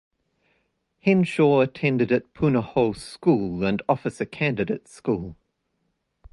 Henshaw attended at Punahou School and Officer Candidate School.